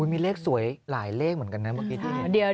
มีเลขสวยหลายเลขเหมือนกันนะเมื่อกี้ที่เห็น